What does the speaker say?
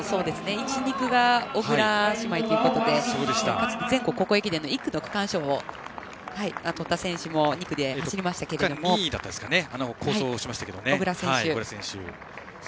１、２区が小倉姉妹ということでかつて全国高校駅伝１区で区間賞をとった選手も２区で走りましたけど、小倉選手。